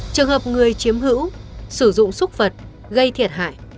trường hợp người chiếm hữu sử dụng xúc vật gây thiệt hại